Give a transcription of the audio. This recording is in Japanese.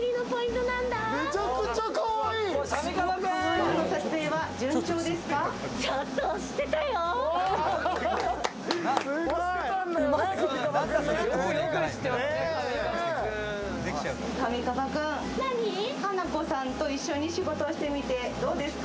今日の撮影は順調ですか？